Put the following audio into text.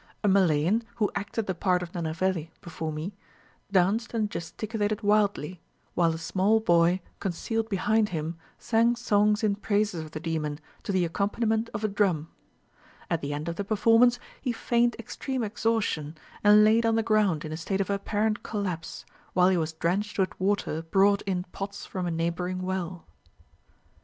A Malayan, who acted the part of Nenaveli before me, danced and gesticulated wildly, while a small boy, concealed behind him, sang songs in praises of the demon, to the accompaniment of a drum. At the end of the performance, he feigned extreme exhaustion, and laid on the ground in a state of apparent collapse, while he was drenched with water brought in pots from a neighbouring well.